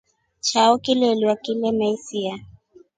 Chao kivelya kimesia.